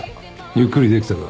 ゆっくりできたか？